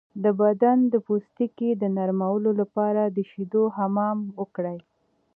د بدن د پوستکي د نرمولو لپاره د شیدو حمام وکړئ